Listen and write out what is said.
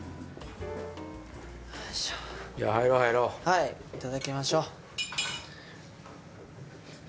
はいいただきましょう。